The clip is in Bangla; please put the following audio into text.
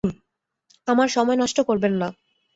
আমার সময় নষ্ট করবেন না।